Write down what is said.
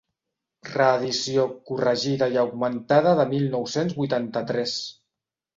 Reedició, corregida i augmentada de mil nou-cents vuitanta-tres.